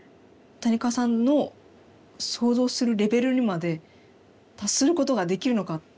谷川さんの想像するレベルにまで達することができるのか。